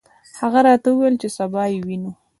هغه راته وویل چې سبا یې ووینم.